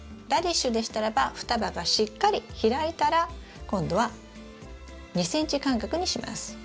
ラディッシュでしたらば双葉がしっかり開いたら今度は２ｃｍ間隔にします。